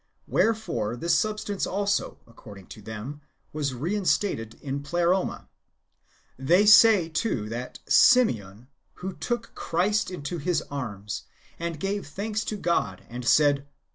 Wherefore this substance also, according to them, was rein stated in the Pleroma. They say, too, that Simeon, "who took Christ into his arms, and gave thanks to God, and said.